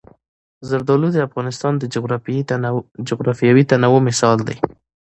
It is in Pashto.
زردالو د افغانستان د جغرافیوي تنوع مثال دی.